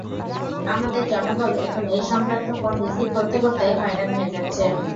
আমাদের জনবল এখন এ-সংক্রান্ত ফোন রিসিভ করতে করতে হয়রান হয়ে যাচ্ছে।